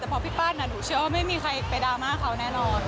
แต่พอพี่ปั้นหนูเชื่อว่าไม่มีใครไปดราม่าเขาแน่นอน